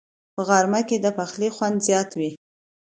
په غرمه کې د پخلي خوند زیات وي